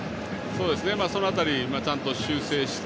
その辺りちゃんと修正して。